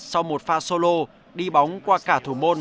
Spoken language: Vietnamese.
sau một pha solo đi bóng qua cả thủ môn